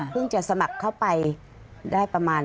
จะสมัครเข้าไปได้ประมาณ